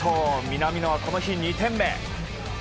南野は、この日２点目。